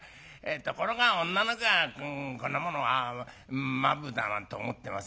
ところが女の子はこんものは間夫だなんて思ってませんでね